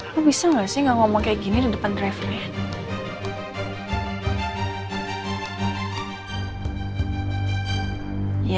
lo bisa gak sih gak ngomong kayak gini di depan drivernya